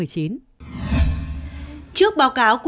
trước báo cáo